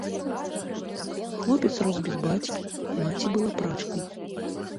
Хлопец рос без бацькі, маці была прачкай.